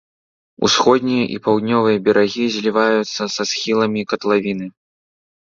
Усходнія і паўднёвыя берагі зліваюцца са схіламі катлавіны.